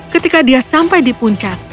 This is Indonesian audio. ketika dia sampai di puncak